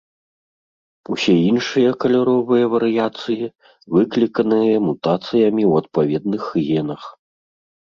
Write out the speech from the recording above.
Усе іншыя каляровыя варыяцыі выкліканыя мутацыямі ў адпаведных генах.